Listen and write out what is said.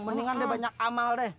mendingan dia banyak amal deh